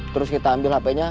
terus kita ambil hpnya